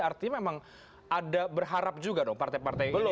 artinya memang ada berharap juga dong partai partai ini